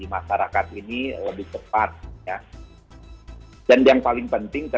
masyarakat ini lebih cepat